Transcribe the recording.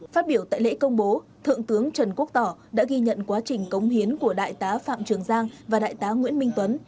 phát biểu tại lễ công bố thượng tướng trần quốc tỏ đã ghi nhận quá trình cống hiến của đại tá phạm trường giang và đại tá nguyễn minh tuấn